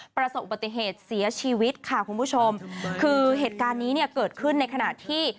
ประสบอุบัติเหตุเสียชีวิตค่ะคุณผู้ชมคือเหตุการณ์นี้เนี่ยเกิดขึ้นในขณะที่